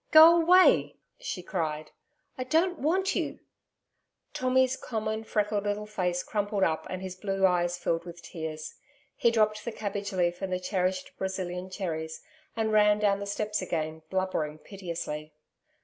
... Go away! ...' she cried. 'I don't want you.' Tommy's common, freckled little face crumpled up and his blue eyes filled with tears. He dropped the cabbage leaf and the cherished Brazilian cherries and ran down the steps again, blubbering piteously.